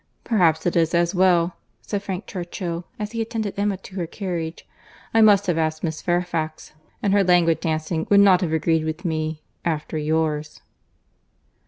"Perhaps it is as well," said Frank Churchill, as he attended Emma to her carriage. "I must have asked Miss Fairfax, and her languid dancing would not have agreed with me, after yours."